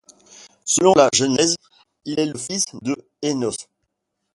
Selon la Genèse, il est le fils de Énosh.